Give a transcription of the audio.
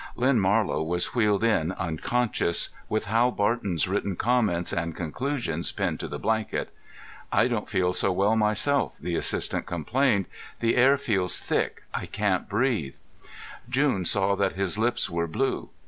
Len Marlow was wheeled in unconscious, with Hal Barton's written comments and conclusions pinned to the blanket. "I don't feel so well myself," the assistant complained. "The air feels thick. I can't breathe." June saw that his lips were blue.